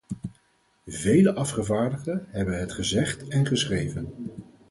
Vele afgevaardigden hebben het gezegd en geschreven.